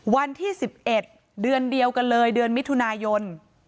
วันที่๑๑เดือนเดียวกันเลยเดือนมิถุนายน